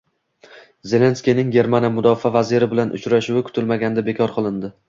Zelenskiyning Germaniya mudofaa vaziri bilan uchrashuvi kutilmaganda bekor qilindi